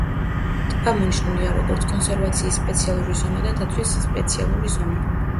ტბა მონიშნულია როგორც კონსერვაციის სპეციალური ზონა და დაცვის სპეციალური ზონა.